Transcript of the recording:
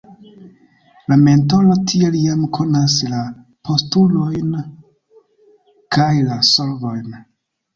La mentoro tiel jam konas la postulojn kaj la solvojn.